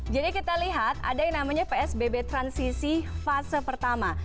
kita lihat ada yang namanya psbb transisi fase pertama